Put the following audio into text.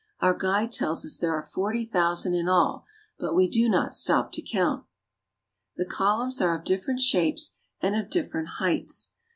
Our guide tells us there are forty thousand in all, but we do not stop to count. The columns are of different shapes and of different heights.